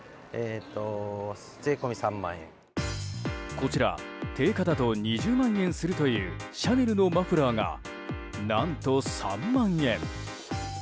こちら定価だと２０万円するというシャネルのマフラーが何と３万円。